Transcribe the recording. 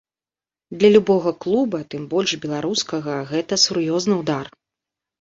Для любога клуба, тым больш беларускага, гэта сур'ёзны ўдар.